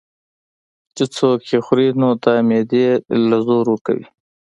چې څوک ئې خوري نو دا معدې له زور ورکوي